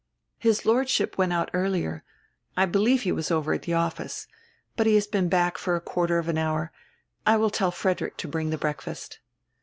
"His Lordship went out earlier; I believe he was over at the office. But he has been back for a quarter of an hour. I will tell Frederick to bring the breakfast."